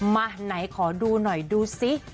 มาไหนขอดูหน่อยดูสิ